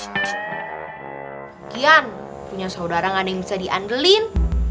sekian punya saudara gak ada yang bisa diandelin